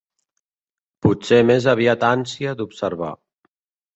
Potser més aviat ànsia d'observar.